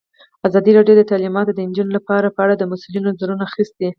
ازادي راډیو د تعلیمات د نجونو لپاره په اړه د مسؤلینو نظرونه اخیستي.